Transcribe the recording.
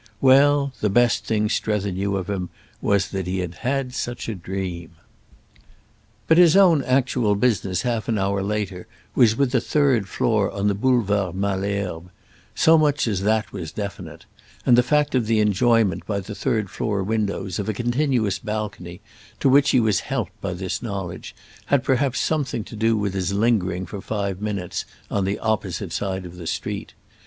Well, the best thing Strether knew of him was that he had had such a dream. But his own actual business, half an hour later, was with a third floor on the Boulevard Malesherbes—so much as that was definite; and the fact of the enjoyment by the third floor windows of a continuous balcony, to which he was helped by this knowledge, had perhaps something to do with his lingering for five minutes on the opposite side of the street.